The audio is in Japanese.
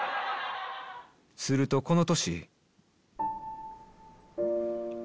するとこの年